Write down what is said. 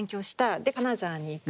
で金沢に行く。